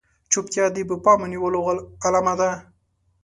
چوپتيا د بې پامه نيولو علامه ده.